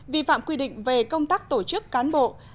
vi phạm quy định về công tác tổ chức cán bộ